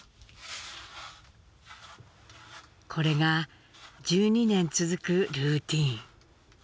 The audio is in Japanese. これが１２年続くルーティーン。